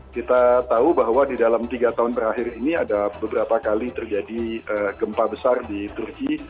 kita tahu bahwa di dalam tiga tahun terakhir ini ada beberapa kali terjadi gempa besar di turki